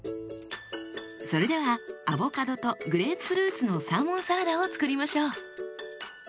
それではアボカドとグレープフルーツのサーモンサラダを作りましょう。